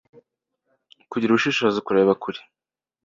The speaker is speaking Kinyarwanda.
kugira ubushishozi kureba kure